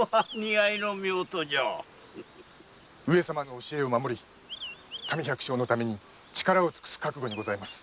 お教えを守り民百姓のために力を尽くす覚悟でございます。